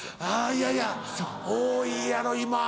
いやいや多いやろ今。